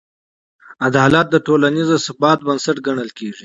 عدالت د ټولنیز ثبات بنسټ ګڼل کېږي.